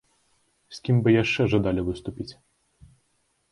З кім бы яшчэ жадалі выступіць?